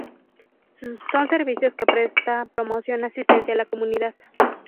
Son servicios que presta promoción, asistencia a la comunidad.